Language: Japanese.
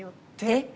えっ